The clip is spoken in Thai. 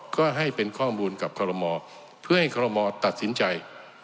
ก็ให้เป็นข้อมูลกับคอรมอเพื่อให้คอรมอตัดสินใจ